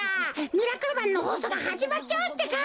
「ミラクルマン」のほうそうがはじまっちゃうってか。